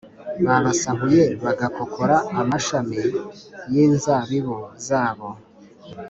babasahuye bagakokora amashami yinzabibu zabo